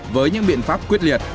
với những biện pháp quyết liệt